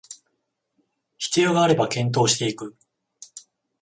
必要があれば検討していく